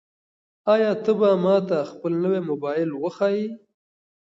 آیا ته به ماته خپل نوی موبایل وښایې؟